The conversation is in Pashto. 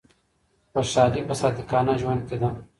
خوشحالي په صادقانه ژوند کي ده.